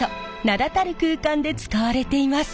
名だたる空間で使われています。